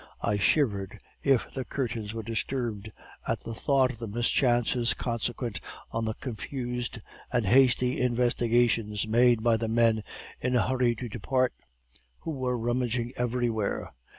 I shivered, if the curtains were disturbed, at the thought of the mischances consequent on the confused and hasty investigations made by the men in a hurry to depart, who were rummaging everywhere.